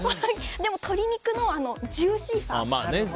でも、鶏肉のジューシーさ。